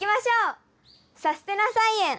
さすてな菜園。